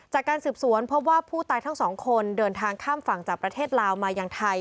จากการสืบสวนพบว่าผู้ตายทั้งสองคนเดินทางข้ามฝั่งจากประเทศลาวมายังไทย